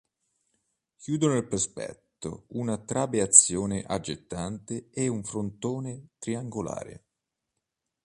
Chiudono il prospetto una trabeazione aggettante e un frontone triangolare.